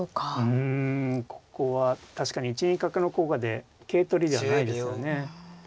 うんここは確かに１二角の効果で桂取りではないですよね。